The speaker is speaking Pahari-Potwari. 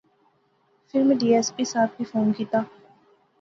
فیر میں ڈی ایس پی صاحب کی فون کیتیا